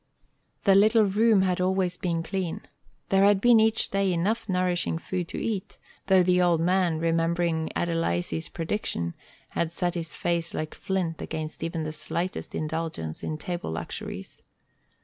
The little room had always been clean. There had been each day enough nourishing food to eat, though the old man, remembering Adelizy's prediction, had set his face like flint against even the slightest indulgence in table luxuries.